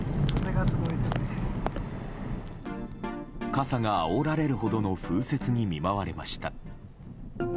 傘があおられるほどの風雪に見舞われました。